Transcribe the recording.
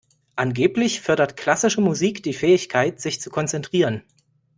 Angeblich fördert klassische Musik die Fähigkeit, sich zu konzentrieren.